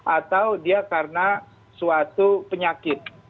atau dia karena suatu penyakit